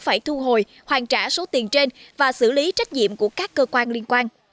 phải thu hồi hoàn trả số tiền trên và xử lý trách nhiệm của các cơ quan liên quan